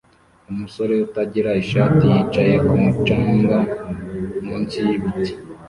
Umusore utagira ishati yicaye kumu canga s munsi yibiti